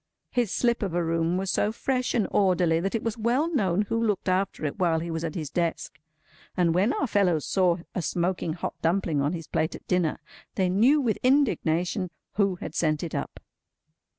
His slip of a room was so fresh and orderly that it was well known who looked after it while he was at his desk; and when our fellows saw a smoking hot dumpling on his plate at dinner, they knew with indignation who had sent it up.